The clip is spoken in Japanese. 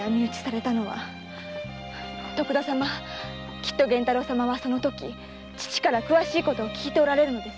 きっと源太郎様はそのとき父から詳しいことを聞いているんです。